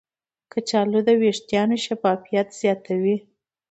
کچالو د ویښتانو شفافیت زیاتوي.